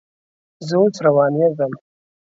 زه اوس روانېږم